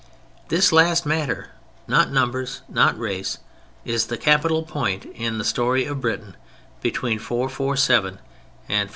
This last matter—not numbers, not race—is the capital point in the story of Britain between 447 and 597.